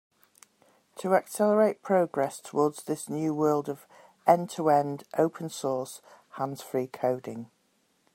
To accelerate progress towards this new world of end-to-end open source hands-free coding.